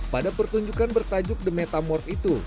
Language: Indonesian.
pada pertunjukan bertajuk the metamorf itu